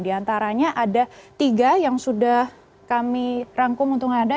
di antaranya ada tiga yang sudah kami rangkum untuk anda